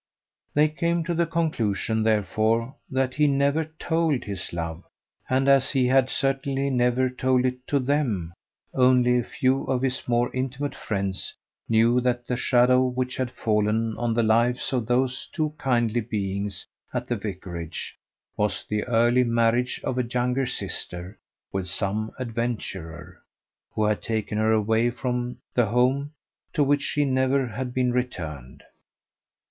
They came to the conclusion, therefore, that he never told his love; and as he had certainly never told it to them, only a few of his more intimate friends knew that the shadow which had fallen on the lives of those two kindly beings at the vicarage was the early marriage of a younger sister with some adventurer, who had taken her away from the home to which she never had been returned.